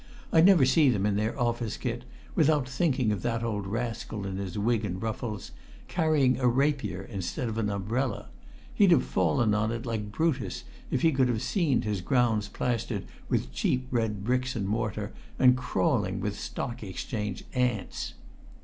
I never see them in their office kit without thinking of that old rascal in his wig and ruffles, carrying a rapier instead of an umbrella; he'd have fallen on it like Brutus if he could have seen his grounds plastered with cheap red bricks and mortar, and crawling with Stock Exchange ants!"